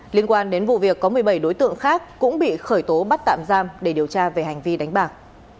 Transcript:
liên quan đến vụ việc có một mươi bảy đối tượng khác cũng bị khởi tố bắt tạm giam để điều tra về hành vi đánh bạc